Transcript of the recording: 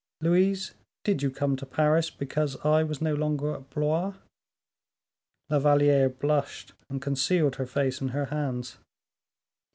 Louise, did you come to Paris because I was no longer at Blois?" La Valliere blushed and concealed her face in her hands.